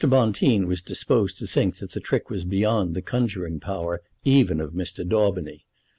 Bonteen was disposed to think that the trick was beyond the conjuring power even of Mr. Daubeny.